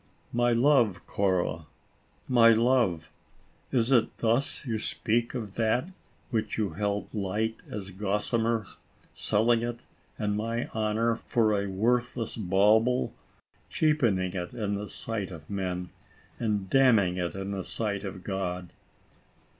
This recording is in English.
%*" My love, Cora. My love ! Is it thus you speak of that, which you held light as gossamer, selling it and my honor for a worthless bauble, cheapening it in the sight of men, and damning it in the sight of God.